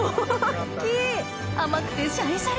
甘くてシャリシャリ！